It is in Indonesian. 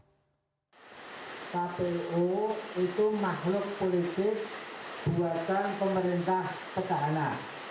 kpu itu makhluk politik buatan pemerintah petahana